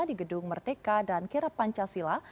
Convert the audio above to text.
di gedung merdeka dan kirap pancasila